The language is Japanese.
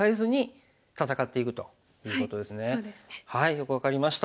よく分かりました。